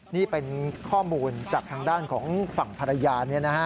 นี่เป็นข้อมูลจากทางด้านของฝั่งภรรยา